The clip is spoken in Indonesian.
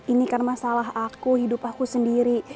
ini kan masalah aku hidup aku sendiri